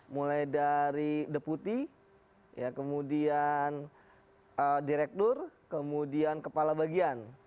mulai dari deputi kemudian direktur kemudian kepala bagian